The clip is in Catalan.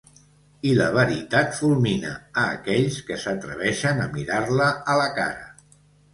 I la veritat fulmina a aquells que s'atreveixen a mirar-la a la cara.